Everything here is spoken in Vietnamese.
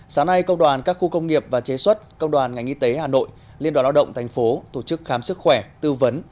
sáng nay công đoàn các khu công nghiệp và chế xuất công đoàn ngành y tế hà nội liên đoàn lao động thành phố tổ chức khám sức khỏe tư vấn